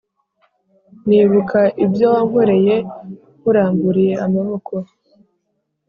Nibuka ibyo wankoreye nkuramburiye amaboko